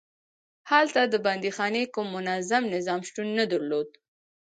هلته د بندیخانې کوم منظم نظام شتون نه درلود.